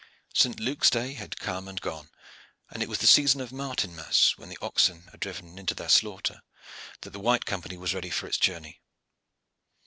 St. Luke's day had come and had gone, and it was in the season of Martinmas, when the oxen are driven in to the slaughter, that the White Company was ready for its journey.